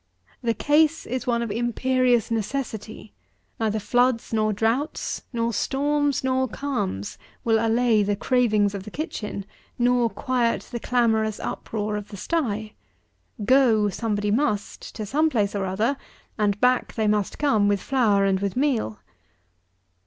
The case is one of imperious necessity: neither floods nor droughts, nor storms nor calms, will allay the cravings of the kitchen, nor quiet the clamorous uproar of the stye. Go, somebody must, to some place or other, and back they must come with flour and with meal.